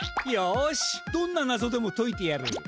よしどんな謎でもといてやる。